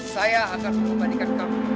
saya akan membandingkan kamu